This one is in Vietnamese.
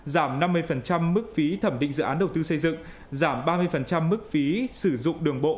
giảm năm mươi mức phí thẩm định dự án đầu tư xây dựng giảm ba mươi mức phí sử dụng đường bộ